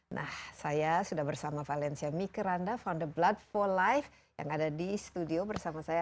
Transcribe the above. nah saya sudah bersama valencia mikeranda founder blood for life yang ada di studio bersama saya